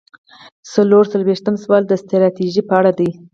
څلور څلویښتم سوال د ستراتیژۍ په اړه دی.